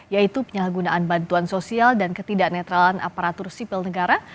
yaitu penyalahgunaan bantuan sosial dan ketidak netralan aparatur sipil negara